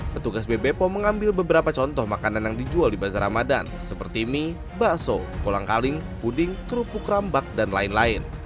petugas bb po mengambil beberapa contoh makanan yang dijual di bazar ramadan seperti mie bakso kolang kaling puding kerupuk rambak dan lain lain